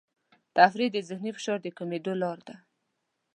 تفریح د ذهني فشار د کمېدو لاره ده.